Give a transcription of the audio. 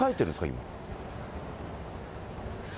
今。